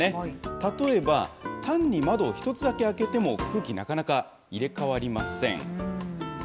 例えば、単に窓を１つだけ開けても空気、なかなか入れ代わりません。